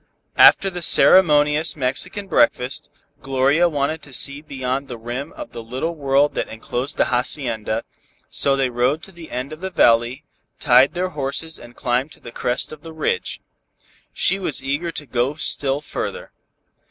After the ceremonious Mexican breakfast, Gloria wanted to see beyond the rim of the little world that enclosed the hacienda, so they rode to the end of the valley, tied their horses and climbed to the crest of the ridge. She was eager to go still further.